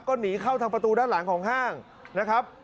ก็หนีเข้าทางประตูด้านหลังของห้างนะครับ